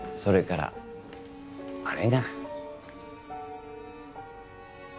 それからあれが。